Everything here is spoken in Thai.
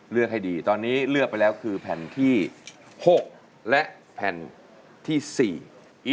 เลือกให้ดีตอนนี้เลือกไปแล้วคือแผ่นที่หกและแผ่นที่สี่